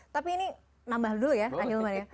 tapi ini nambah dulu ya